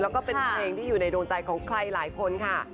แล้วก็เป็นเพลงที่อยู่ในดวงใจของใครหลายคนค่ะ